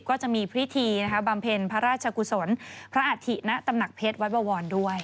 ก็จะมีพิธีบำเพ็ญพระราชกุศลพระอาธิณตำหนักเพชรวัดบวรด้วย